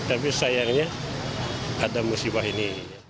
tapi sayangnya ada musibah ini